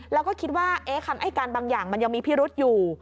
แล้วก็คิดว่าคำให้การบางอย่างมันยังมีพิรุษอยู่